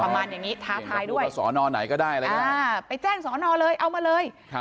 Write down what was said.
พระมันท้าทายด้วยดูสนานไหนก็ได้โอ้ไปแจ้งศนเลยเอามาเลย